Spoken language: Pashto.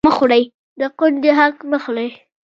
د کونډې حق مه خورئ